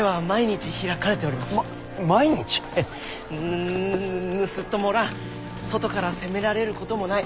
ぬぬ盗人もおらん外から攻められることもない。